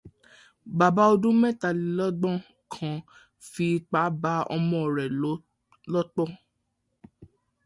Bàbá ọdún mẹ́tàlélọ́gbọ̀n kan fi ipá bá ọmọ rẹ̀ lò pọ̀